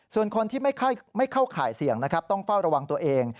ส่วนคนที่ไม่เข้าข่ายเสี่ยงนะครับต้องเฝ้าระวังตัวเอง